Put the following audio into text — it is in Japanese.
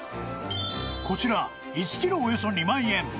こちら１ｋｇおよそ２万円